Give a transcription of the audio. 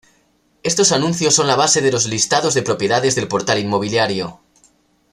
Estos anuncios son la base de los listados de propiedades del portal inmobiliario.